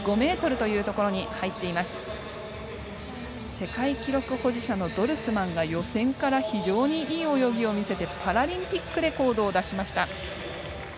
世界記録保持者のドルスマンが予選から非常にいい泳ぎを見せてパラリンピックレコードを出しました。